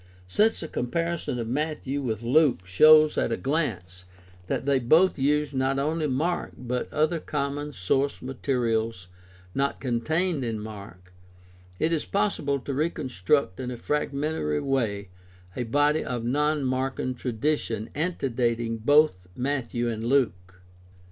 Since a THE STUDY OF EARLY CHRISTIANITY 259 comparison of Matthew with Luke shows at a glance that they both used not only Mark but other common source materials not contained in Mark, it is possible to reconstruct in a fragmentary way a body of non Markan tradition ante dating both Matthew and Luke.